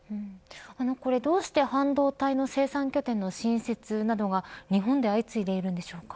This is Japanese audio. これどうして半導体の生産拠点の新設などが日本で相次いでいるんでしょうか。